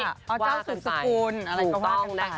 เจ้าสุดสกุลอะไรก็ว่ากันไป